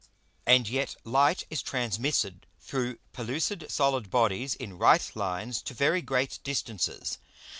And yet Light is transmitted through pellucid solid Bodies in right Lines to very great distances.